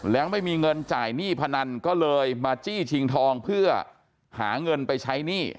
แล้วไม่มีเงินจ่ายหนี้พนันก็เลยมาจี้ชิงทองเพื่อหาเงินไปใช้หนี้